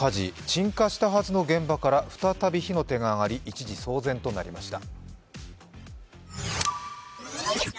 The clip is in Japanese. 鎮火したはずの現場から再び火の手が上がり、一時騒然となりました。